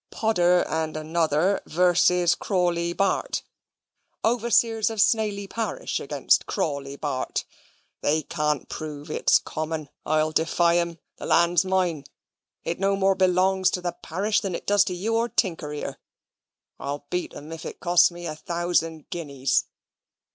Podder and another versus Crawley, Bart. Overseers of Snaily parish against Crawley, Bart. They can't prove it's common: I'll defy 'em; the land's mine. It no more belongs to the parish than it does to you or Tinker here. I'll beat 'em, if it cost me a thousand guineas.